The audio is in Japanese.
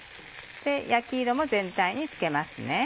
焼き色も全体につけますね。